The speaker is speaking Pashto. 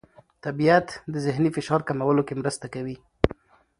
طبیعت د ذهني فشار کمولو کې مرسته کوي.